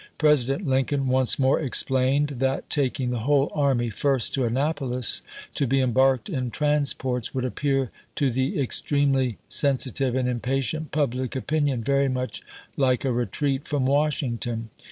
President Lincoln once more explained that taking the whole army first to Annapolis, to be embarked in transports, would appear to the extremely sensi tive and impatient public opinion very much like a retreat from Washington.